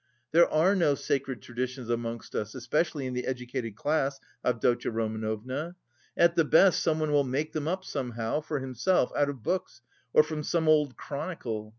There are no sacred traditions amongst us, especially in the educated class, Avdotya Romanovna. At the best someone will make them up somehow for himself out of books or from some old chronicle.